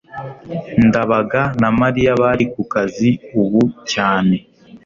ndabaga na mariya bari kukazi ubu cyane